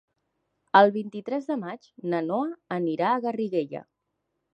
El vint-i-tres de maig na Noa anirà a Garriguella.